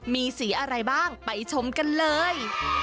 มีสีอะไรบ้างไปชมกันเลย